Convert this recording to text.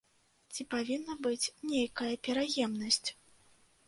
Ці павінна быць нейкая пераемнасць?